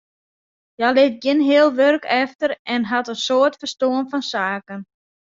Hja lit gjin heal wurk efter en hat in soad ferstân fan saken.